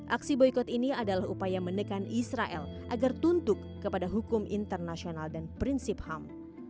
aksi boykot ini adalah upaya mendekat israel agar tuntuk kepada hukum internasional dan prinsip ham